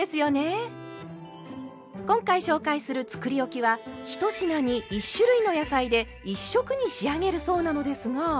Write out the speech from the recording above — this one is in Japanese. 今回紹介するつくりおきは１品に１種類の野菜で１色に仕上げるそうなのですが。